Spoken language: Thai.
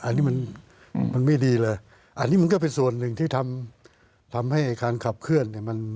อันนี้มันไม่ดีเลยอันนี้มันก็เป็นส่วนหนึ่งที่ทำให้การขับเคลื่อนเนี่ย